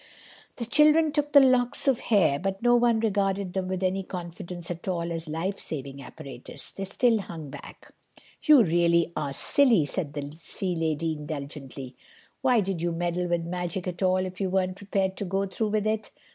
The children took the locks of hair, but no one regarded them with any confidence at all as lifesaving apparatus. They still hung back. "You really are silly," said the sea lady indulgently. "Why did you meddle with magic at all if you weren't prepared to go through with it?